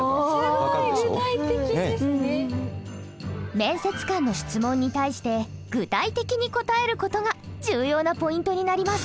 面接官の質問に対して具体的に答える事が重要なポイントになります。